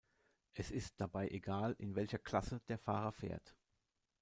Es ist dabei egal, in welcher Klasse der Fahrer fährt.